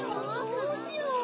どうしよう。